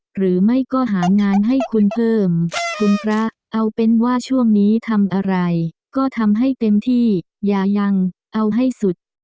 หรือไม่ก็หางานให้คุณเพิ่มคุณพระเอาเป็นว่าช่วงนี้ทำอะไรก็ทำให้เต็มที่อย่ายังเอาให้สุด